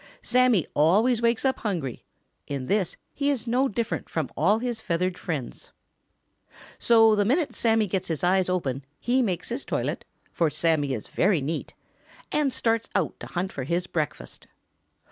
Sammy always wakes up hungry. In this he is no different from all his feathered neighbors. So the minute Sammy gets his eyes open he makes his toilet, for Sammy is very neat, and starts out to hunt for his breakfast.